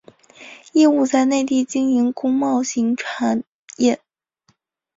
业务在内地经营工贸型产业。